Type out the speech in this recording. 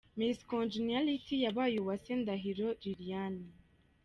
Miss Congeniality yabaye Uwase Ndahiro Liliane.